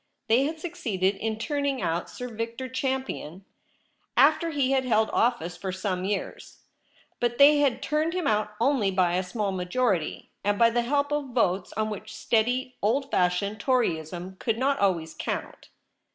They had succeeded in turning out Sir Victor Champion, after he had I — 2 THE REBEL ROSE. held office for some years ; but they had turned him out only by a small majority, and by the help of votes on which steady, old fashioned Toryism could not always count.